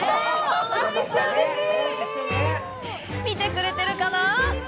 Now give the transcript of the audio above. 見てくれてるかな？